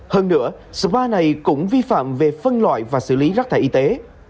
hơn nữa spa này cũng vi phạm về phân loại và xử lý rác thải y tế